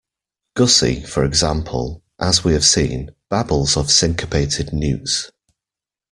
Gussie, for example, as we have seen, babbles of syncopated newts.